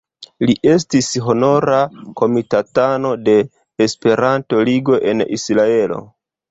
Li estis honora komitatano de Esperanto-Ligo en Israelo.